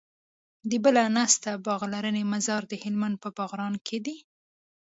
د بله نسته باغرانی مزار د هلمند په باغران کي دی